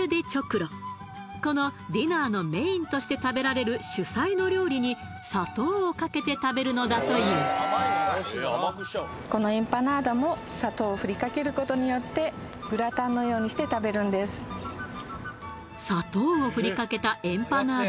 このディナーのメインとして食べられる主菜の料理に砂糖をかけて食べるのだというこのエンパナーダも砂糖をふりかけたエンパナーダ